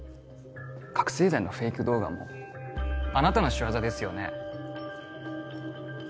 覚せい剤のフェイク動画もあなたの仕業ですよね？